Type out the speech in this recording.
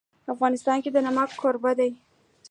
افغانستان د نمک کوربه دی.